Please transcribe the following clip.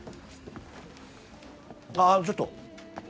ああちょっと。